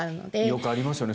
よくありますよね。